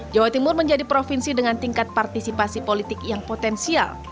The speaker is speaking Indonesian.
jawa timur menjadi provinsi dengan tingkat partisipasi politik yang potensial